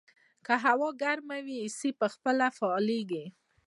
که هوا ګرمه وي، اې سي په خپله فعاله کېږي.